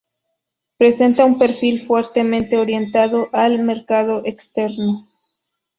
Presenta un perfil fuertemente orientado al mercado externo.